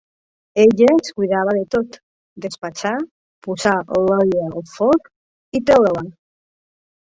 Ella es cuidava de tot: despatxar, posar l'olla al foc i treure-la